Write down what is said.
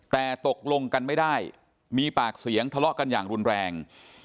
แต่ตกลงกันไม่ได้มีปากเสียงทะเลาะกันอย่างรุนแรง